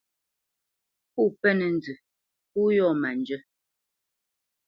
Pó mpénə̄ nzə pó yɔ̂ má njyə́.